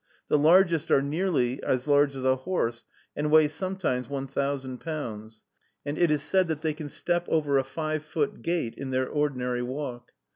The largest are nearly as large as a horse, and weigh sometimes one thousand pounds; and it is said that they can step over a five foot gate in their ordinary walk.